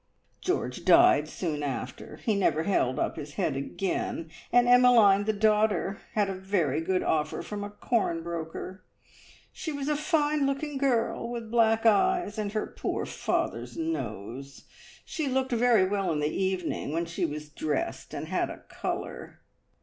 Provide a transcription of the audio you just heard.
George died soon after. He never held up his head again, and Emmeline, the daughter, had a very good offer from a corn broker. She was a fine looking girl, with black eyes and her poor father's nose. She looked very well in the evening, when she was dressed, and had a colour."